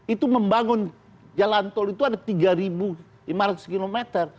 itu membangun jalan tol itu ada tiga lima ratus km